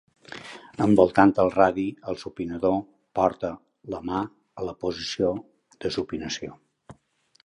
Envoltant el radi, el supinador porta la mà a la posició de supinació.